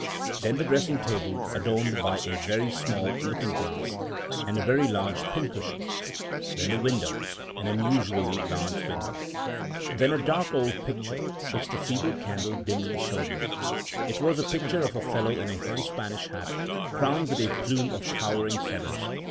Then the dressing table, adorned by a very small looking glass, and a very large pincushion. Then the window — an unusually large window. Then a dark old picture, which the feeble candle dimly showed me. It was a picture of a fellow in a high Spanish hat, crowned with a plume of towering feathers.